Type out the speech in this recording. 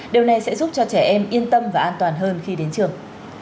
điều này sẽ giúp cho trẻ em yên tâm và an toàn hơn khi đến trường